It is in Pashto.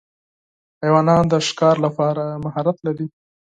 حیوانات د ښکار لپاره مهارت لري.